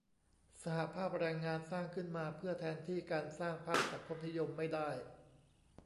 สหภาพแรงงานสร้างขึ้นมาเพื่อแทนที่การสร้างพรรคสังคมนิยมไม่ได้